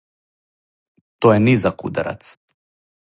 То је низак ударац.